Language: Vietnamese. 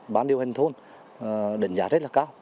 bán điều hành thôn đẩn giá rất là cao